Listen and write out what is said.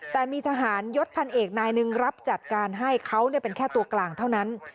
แต่มีทหารยศพันเอกนายหนึ่งรับจัดการให้เขาเป็นแค่ตัวกลางเท่านั้น